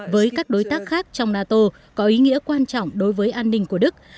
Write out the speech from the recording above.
với các đối tác khác trong nato có ý nghĩa quan trọng đối với an ninh của đức